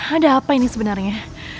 ada apa ini sebenarnya